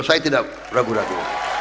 saya tidak ragu ragu